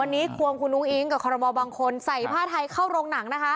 วันนี้ควงคุณอุ้งอิ๊งกับคอรมอลบางคนใส่ผ้าไทยเข้าโรงหนังนะคะ